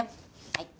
はい。